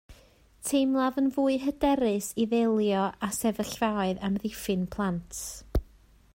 Teimlaf yn fwy hyderus i ddelio â sefyllfaoedd amddiffyn plant